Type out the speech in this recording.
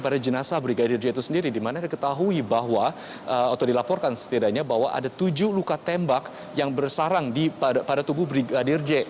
pada jenazah brigadir j itu sendiri dimana diketahui bahwa atau dilaporkan setidaknya bahwa ada tujuh luka tembak yang bersarang pada tubuh brigadir j